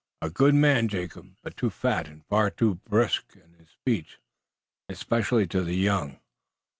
"A good man, Jacob, but too fat, and far too brusque in speech, especially to the young.